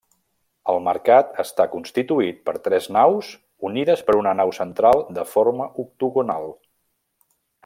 El mercat està constituït per tres naus unides per una nau central de forma octogonal.